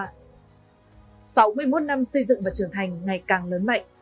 sáu mươi một năm xây dựng và trưởng thành ngày càng lớn mạnh